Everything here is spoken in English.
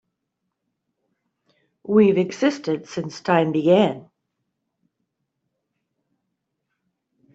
We've existed since time began.